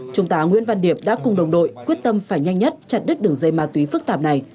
trung tá nguyễn văn điệp đã cùng đồng đội quyết tâm phải nhanh nhất chặt đứt đường dây ma túy phức tạp này